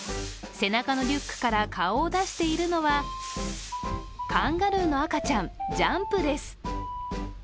背中のリュックから顔を出しているのはカンガルーの赤ちゃんジャンプです。